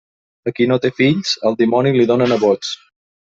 A qui no té fills, el dimoni li dóna nebots.